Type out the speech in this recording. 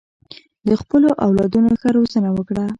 د خپلو اولادونو ښه روزنه وکړه.